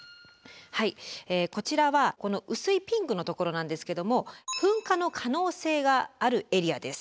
こちらはこの薄いピンクのところなんですけども噴火の可能性があるエリアです。